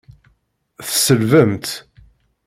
Tselbemt?